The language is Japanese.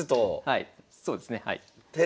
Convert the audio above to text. はいそうですねはい。